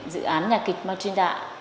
dự án nhà kịch montana